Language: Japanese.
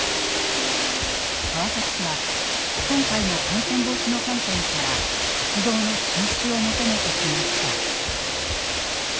川崎市は今回も感染防止の観点から活動の中止を求めてきました。